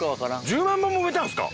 １０万本も植えたんですか？